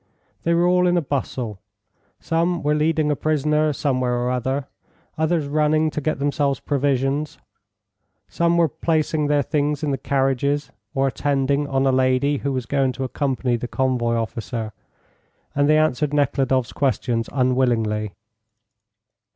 They were all in a bustle; some were leading a prisoner somewhere or other, others running to get themselves provisions, some were placing their things in the carriages or attending on a lady who was going to accompany the convoy officer, and they answered Nekhludoff's questions unwillingly.